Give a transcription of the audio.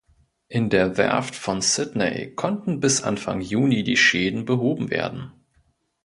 In der Werft von Sydney konnten bis Anfang Juni die Schäden behoben werden.